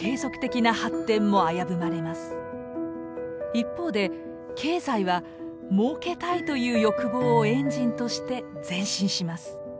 一方で経済は「儲けたい」という欲望をエンジンとして前進します。